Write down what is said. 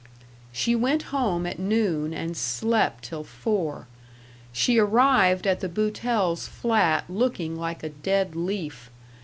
She went home at noon and slept till four. She arrived at the Boutells' flat looking like a dead leaf.